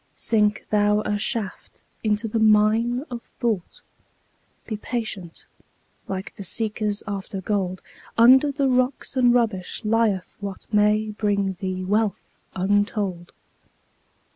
Sink thou a shaft into the mine of thought; Be patient, like the seekers after gold; Under the rocks and rubbish lieth what May bring thee wealth untold.